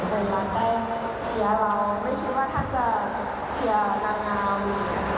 เวลาได้เชียร์เราไม่คิดว่าถ้าจะเชียร์นานอยู่นี่ค่ะ